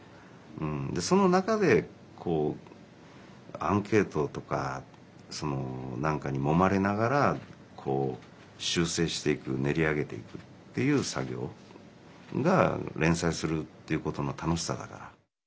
その中でアンケートとか何かにもまれながら修正していく練り上げていくっていう作業が連載するっていうことの楽しさだから。